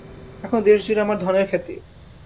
এখন দেশ জুড়ে আমার ধনের খ্যাতি।